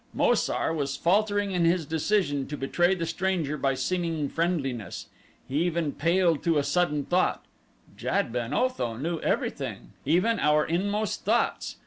Mo sar was faltering in his decision to betray the stranger by seeming friendliness. He even paled to a sudden thought Jad ben Otho knew everything, even our inmost thoughts.